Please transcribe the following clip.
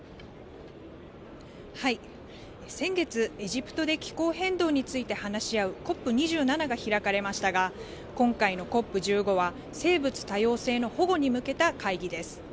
先月、エジプトで気候変動について話し合うＣＯＰ２７が開かれましたが、今回のＣＯＰ１５は、生物多様性の保護に向けた会議です。